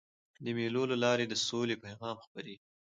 د مېلو له لاري د سولي پیغام خپرېږي.